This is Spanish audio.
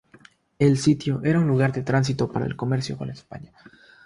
El sitio era un lugar de tránsito para el comercio con España.